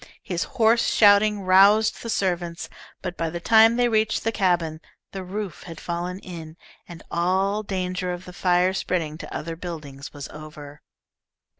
His hoarse shouting roused the servants, but by the time they reached the cabin the roof had fallen in, and all danger of the fire spreading to other buildings was over.